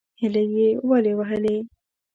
_هيلۍ يې ولې وهلې؟